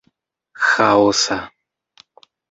ĥaosa